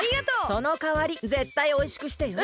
そのかわりぜったいおいしくしてよ！